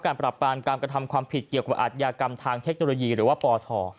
การปรับปรามการกระทำความผิดเกี่ยวกับอัธยากรรมทางเทคโนโลยีหรือว่าปท